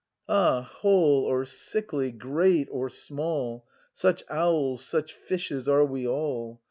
Ah, whole or sickly, great or small. Such owls, such fishes, are we all.